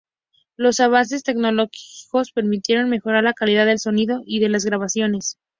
Los avances tecnológicos permitieron mejorar la calidad del sonido y de las grabaciones.